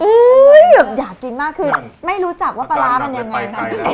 อยากกินมากคือไม่รู้จักว่าปลาร้ามันยังไง